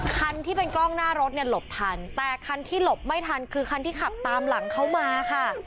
คันที่เป็นกล้องหน้ารถเนี่ยหลบทันแต่คันที่หลบไม่ทันคือคันที่ขับตามหลังเขามาค่ะ